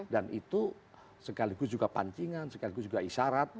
dan itu sekaligus juga pancingan sekaligus juga isyarat